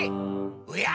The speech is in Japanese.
おや！